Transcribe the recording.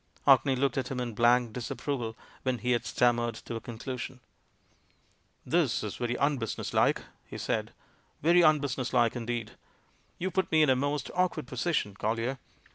Orkney looked at him in blank disapproval when he had stammered to a conclusion. "This is very unbusiness like," he said, "very unbusiness like indeed You put me in a most awkward position, Collier.